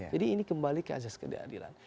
jadi ini kembali ke asas keadilan